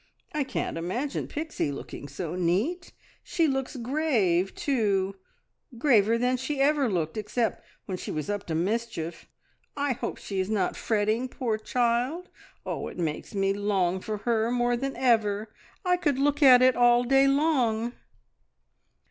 I can't imagine Pixie looking so neat. She looks grave, too graver than she ever looked, except when she was up to mischief. I hope she is not fretting, poor child! Oh, it makes me long for her more than ever! I could look at it all day long!"